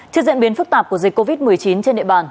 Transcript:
trước diễn biến phức tạp của dịch covid một mươi chín trên địa bàn